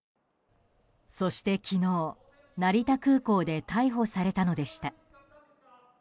そして昨日、成田空港で逮捕されたのでした。